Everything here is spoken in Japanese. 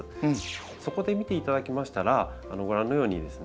そこで見ていただきましたらご覧のようにですね